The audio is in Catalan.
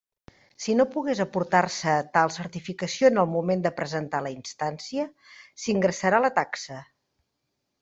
Si no pogués aportar-se tal certificació en el moment de presentar la instància, s'ingressarà la taxa.